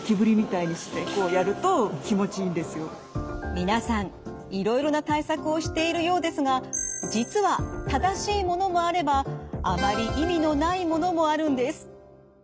皆さんいろいろな対策をしているようですが実は正しいものもあればあまり意味のないものもあるんです。